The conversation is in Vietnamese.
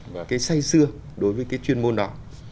và cái say xưa đối với cái chuyên môn đó